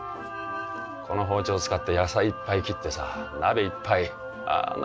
この包丁を使って野菜いっぱい切ってさ鍋いっぱいああ